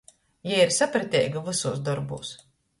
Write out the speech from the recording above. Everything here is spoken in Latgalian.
Jei ir saprateiga vysūs dorbūs.